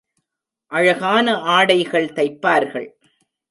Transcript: அழகான ஆடைகள் தைப்பார்கள்.